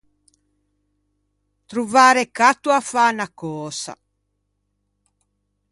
Trovâ recatto à fâ unna cösa.